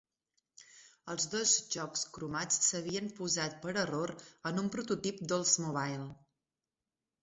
Els dos jocs cromats s'havien posat per error en un prototip d'Oldsmobile.